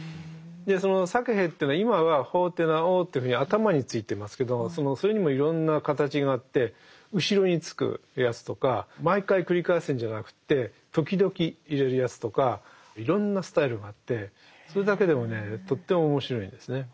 でそのサケヘというのは今は「ホテナオ」というふうに頭についてますけどそれにもいろんな形があって後ろにつくやつとか毎回繰り返すんじゃなくって時々入れるやつとかいろんなスタイルがあってそれだけでもねとっても面白いんですね。